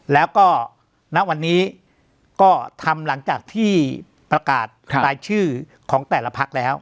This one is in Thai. แล้วก็ณวันนี้ก็ทำหลังจากที่ประกาศรายชื่อของแต่ละพักแล้ว